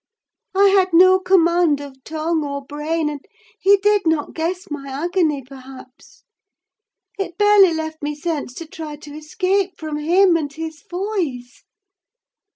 I had no command of tongue, or brain, and he did not guess my agony, perhaps: it barely left me sense to try to escape from him and his voice.